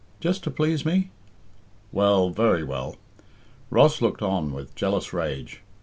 "Just to please me." "Well very well." Ross looked on with jealous rage.